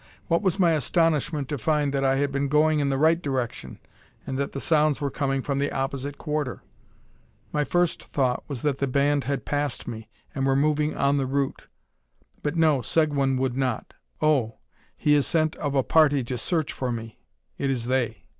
What was my astonishment to find that I had been going in the right direction, and that the sounds were coming from the opposite quarter. My first thought was that the band had passed me, and were moving on the route. "But no; Seguin would not. Oh! he has sent of a party to search for me: it is they."